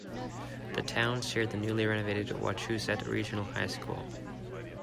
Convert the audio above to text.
The towns share the newly renovated Wachusett Regional High School.